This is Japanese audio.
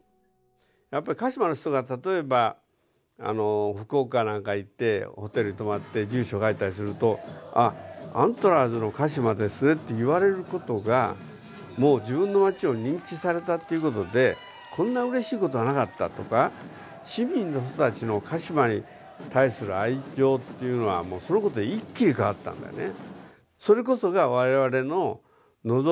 やっぱり鹿島の人が例えば福岡なんか行ってホテルに泊まって住所書いたりするとあっアントラーズの鹿島ですねって言われることがもう自分の町を認知されたっていうことでこんな嬉しいことはなかったとか市民の人たちの鹿島に対する愛情っていうのはもうそのことで一気に変わったんだよね